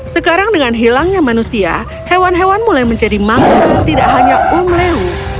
sekarang dengan hilangnya manusia hewan hewan mulai menjadi mangsa tidak hanya umleu